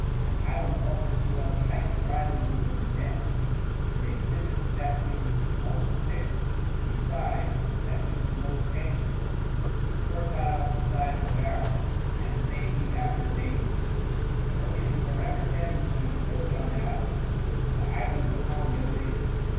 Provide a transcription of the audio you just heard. An island offers to us heights rising from depths; it exhibits that which is most fixed beside that which is most changeable, the fertile beside the barren, and safety after danger. The ocean forever tends to encroach on the island, the island upon the ocean.